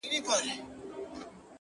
دغه خوار ملنگ څو ځايه تندی داغ کړ؛